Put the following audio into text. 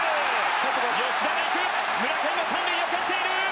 吉田が行く村上も３塁を蹴っている。